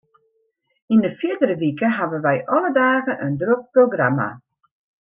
Yn 'e fierdere wike hawwe wy alle dagen in drok programma.